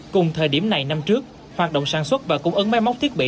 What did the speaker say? cùng thời điểm này năm trước hoạt động sản xuất và cung ứng máy móc thiết bị